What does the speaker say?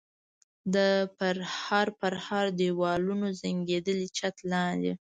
د پرهر پرهر دېوالونو زنګېدلي چت لاندې.